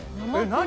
何？